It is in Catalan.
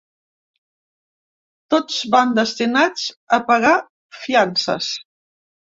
Tots van destinats a pagar fiances.